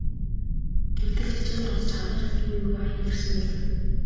Тэгтэл ч хичээл дуусаж хаврын шалгалт юу юугүй хаяанд ирсэн байлаа.